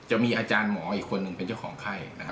จะมีอาจารย์หมออีกคนหนึ่งเป็นเจ้าของไข้